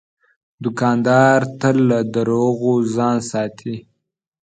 دوکاندار تل له دروغو ځان ساتي.